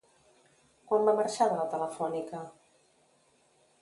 Quan va marxar de la Telefónica?